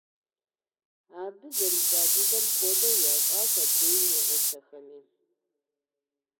Абы зэрищӀа дыдэм хуэдэу ящӀащ адрей и гъусэхэми.